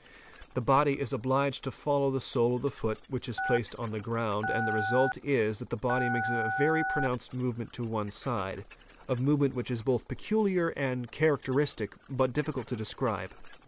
The body is obliged — to follow the sole of the foot which is placed on the ground and the > result is that the body makes a very pronounced movement to one side, a movement which is both peculiar and characteristic but difficult to THE WALKING IMAGE 523 describe.